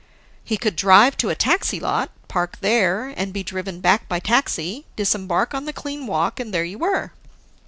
He could drive to a taxi lot, park there, and be driven back by taxi, disembark on the clean walk, and there you were.